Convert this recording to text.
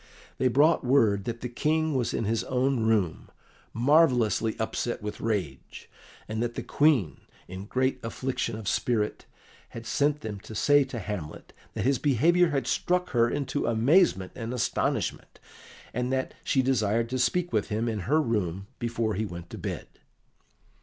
They brought word that the King was in his own room, marvellously upset with rage, and that the Queen, in great affliction of spirit, had sent them to say to Hamlet that his behaviour had struck her into amazement and astonishment, and that she desired to speak with him in her room before he went to bed.